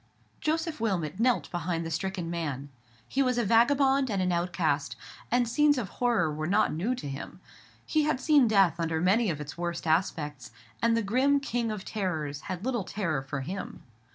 Joseph Wilmot knelt beside the stricken man. He was a vagabond and an outcast, and scenes of horror were not new to him. He had seen death under many of its worst aspects, and the grim King of Terrors had little terror for him.